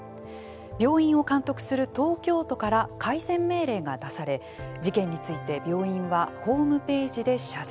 病院を監督する東京都から改善命令が出され事件について病院はホームページで謝罪。